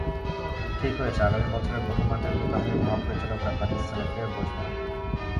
ঠিক হয়েছে, আগামী বছরের প্রথমার্ধে দুই বাহিনীর মহাপরিচালকেরা পাকিস্তানে ফের বসবেন।